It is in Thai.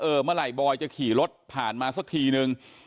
เมื่อไหร่บอยจะขี่รถผ่านมาสักทีนึง